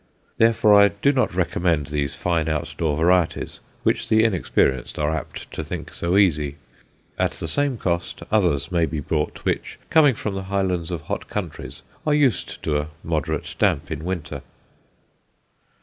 Therefore I do not recommend these fine outdoor varieties, which the inexperienced are apt to think so easy. At the same cost others may be bought, which, coming from the highlands of hot countries, are used to a moderate damp in winter.